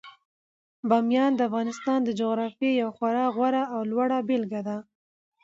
بامیان د افغانستان د جغرافیې یوه خورا غوره او لوړه بېلګه ده.